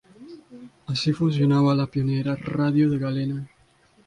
Así funcionaba la pionera radio de galena.